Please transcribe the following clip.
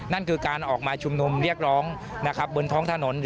นั่นคือการออกมาชุมนุมเรียกร้องนะครับบนท้องถนน